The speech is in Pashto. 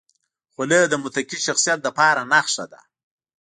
خولۍ د متقي شخصیت لپاره نښه ده.